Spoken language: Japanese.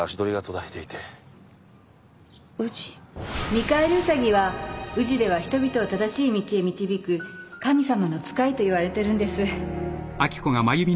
みかえり兎は宇治では人々を正しい道へ導く神様の使いといわれてるんです